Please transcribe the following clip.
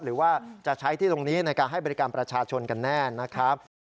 หรือว่าจะใช้ที่ตรงนี้ในการให้บริการประชาชนกันแน่นะครับ